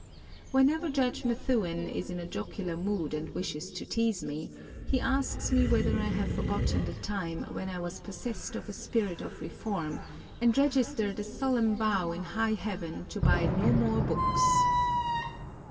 Whenever Judge Methuen is in a jocular mood and wishes to tease me, he asks me whether I have forgotten the time when I was possessed of a spirit of reform and registered a solemn vow in high heaven to buy no more books.